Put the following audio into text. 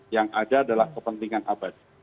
yang ada adalah kepentingan abadi